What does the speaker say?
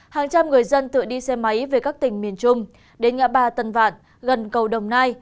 hàng trăm người dân tự đi xe máy về các tỉnh miền trung đến ngã ba tân vạn gần cầu đồng nai